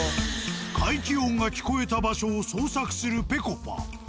怪奇音が聞こえた場所を捜索するぺこぱ。